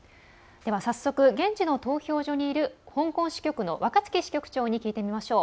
早速、現地の投票所にいる香港支局の若槻支局長に聞いてみましょう。